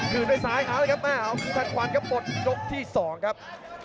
คืนด้วยซ้ายเอาละครับมาเอาคุณพันธ์ควันครับหมดยกที่สองครับ